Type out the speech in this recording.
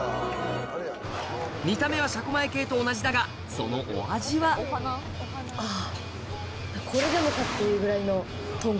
見た目は車庫前系と同じだがそのお味はん！